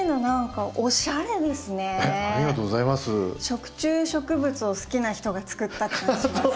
食虫植物を好きな人が作ったって感じします。